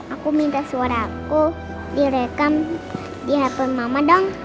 aku minta suara aku direkam di handphone mama dong